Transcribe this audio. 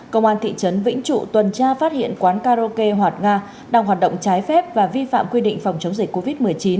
công an thị trấn vĩnh trụ tuần tra phát hiện quán karaoke hoạt nga đang hoạt động trái phép và vi phạm quy định phòng chống dịch covid một mươi chín